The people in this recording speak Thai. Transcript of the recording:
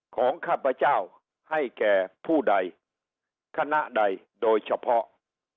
ข้าพเจ้าให้แก่ผู้ใดคณะใดโดยเฉพาะ